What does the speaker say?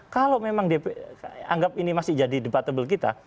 kalau memang anggap ini masih jadi debatable kita